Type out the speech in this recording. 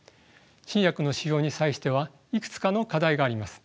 新薬の使用に際してはいくつかの課題があります。